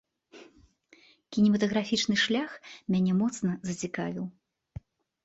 Кінематаграфічны шлях мяне моцна зацікавіў.